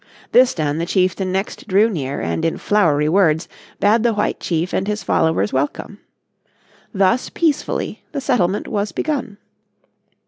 This done the chieftain next drew near, and in flowery words bade the White Chief and his followers welcome. Thus peacefully the settlement was begun.